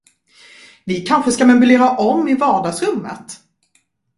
Vi kanske ska möblera om i vardagsrummet?